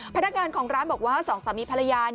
พนักงานของร้านบอกว่าสองสามีภรรยา